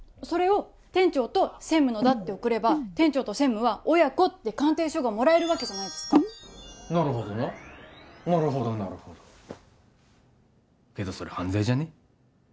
それを店長と専務のだって送れば店長と専務は親子って鑑定書がもらえるわけじゃないですかなるほどななるほどなるほどけどそれ犯罪じゃねえ？